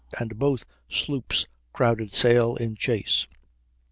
and both sloops crowded sail in chase.